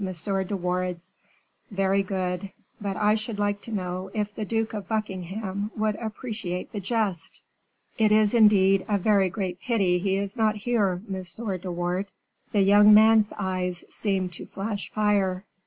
de Wardes's. Very good; but I should like to know if the Duke of Buckingham would appreciate the jest. It is, indeed, a very great pity he is not here, M. de Wardes." The young man's eyes seemed to flash fire.